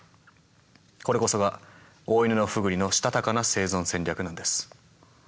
これこそがオオイヌノフグリのしたたかな生存戦略なんです。